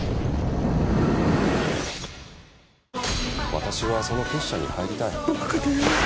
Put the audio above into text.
私はその結社に入りたい。